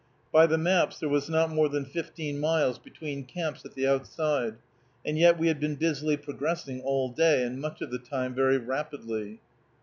By the maps there was not more than fifteen miles between camps at the outside, and yet we had been busily progressing all day, and much of the time very rapidly.